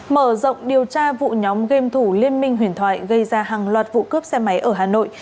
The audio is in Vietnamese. mở rộng điều tra vụ nhóm game thủ liên minh huyền thoại gây ra hàng loạt vụ cướp xe máy ở hà nội